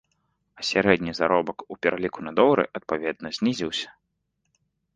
А сярэдні заробак у пераліку на долары адпаведна знізіўся.